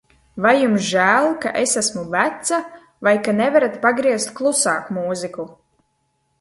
Vai jums žēl, ka es esmu veca vai ka nevarat pagriezt klusāk mūziku?